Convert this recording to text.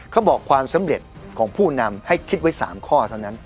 ความสำเร็จของผู้นำให้คิดไว้๓ข้อเท่านั้น